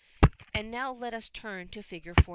And now let us turn to Fig. 14.